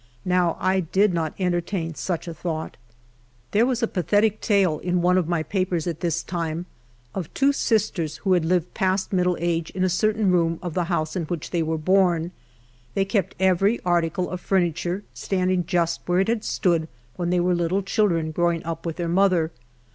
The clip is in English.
Now I did not entertain such a thouirht. There was a pathetic tale in one of my papers, at this time, of two sisters who had lived past middle age in a cer tain room of the house in which they were born. They kept every article of furniture standing just where it had stood when they were little children growing up with their mother.